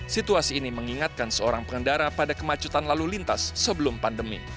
situasi ini mengingatkan seorang pengendara pada kemacetan lalu lintas sebelum pandemi